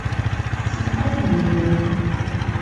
Ці званілі вы яму?